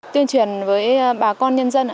tuyên truyền với bà con nhân dân